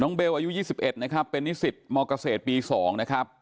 เบลอายุ๒๑นะครับเป็นนิสิตมเกษตรปี๒นะครับ